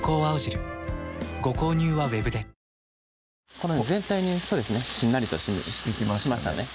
このように全体にしんなりとしましたね